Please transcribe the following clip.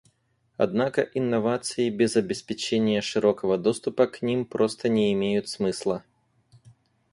Однако инновации без обеспечения широкого доступа к ним просто не имеют смысла.